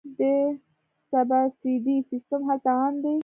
د سبسایډي سیستم هلته عام دی.